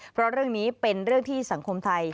เพราะเรื่องนี้เป็นเรื่องที่สังคมไทย